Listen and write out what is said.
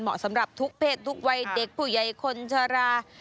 สำหรับทุกเพศทุกวัยเด็กผู้ใหญ่คนชรา